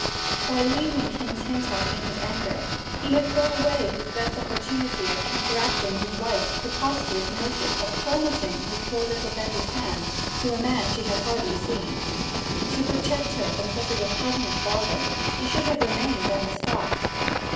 By leaving King's Hintock in his anger he had thrown away his best opportunity of counteracting his wife's preposterous notion of promising his poor little Betty's hand to a man she had hardly seen. To protect her from such a repugnant bargain he should have remained on the spot.